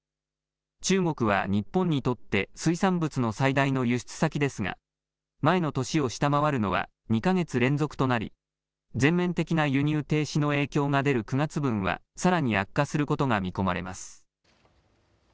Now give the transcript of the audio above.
中国は日本にとって水産物の最大の輸出先ですが前の年を下回るのは２か月連続となり全面的な輸入停止の影響が出る９月分はさらに悪化することが見込まれます。